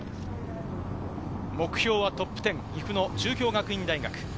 目標はトップ１０、岐阜の中京学院大学。